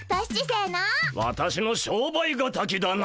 私のしょうばいがたきだな！